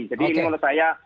jadi menurut saya